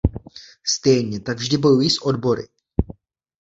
Stejně tak vždy bojují s odbory.